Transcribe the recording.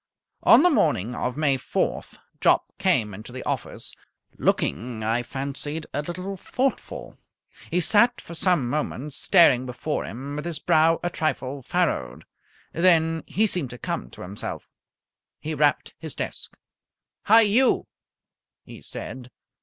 On the morning of May 4th Jopp came into the office, looking, I fancied, a little thoughtful. He sat for some moments staring before him with his brow a trifle furrowed; then he seemed to come to himself. He rapped his desk. "Hi! You!" he said.